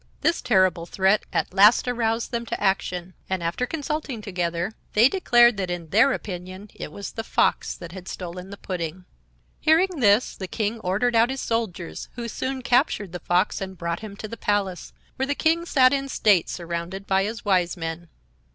This terrible threat at last aroused them to action, and, after consulting together, they declared that in their opinion it was the Fox that had stolen the pudding. Hearing this, the King ordered out his soldiers, who soon captured the Fox and brought him to the palace, where the King sat in state, surrounded by his Wise Men.